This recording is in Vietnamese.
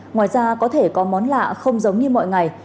ngoài ra có thể có món lạ không giống như mọi ngày